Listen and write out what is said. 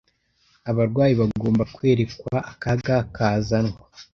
Abarwayi bagomba kwerekwa akaga kazanwa